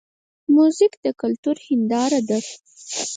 موزیک د کلتور هنداره ده.